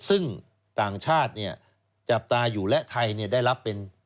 ซึ่งต่างชาติเนี่ยจับตาอยู่และไทยได้รับเป็น